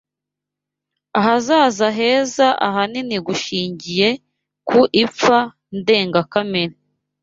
ahazaza heza ahanini gushingiye ku ipfa ndengakamere